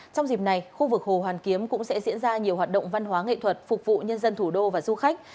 trong dịp này khu vực hồ hoàn kiếm cũng sẽ diễn ra nhiều hoạt động văn hóa nghệ thuật phục vụ nhân dân thủ đô và du khách